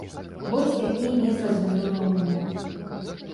Вось такія незразумелыя ўмовы.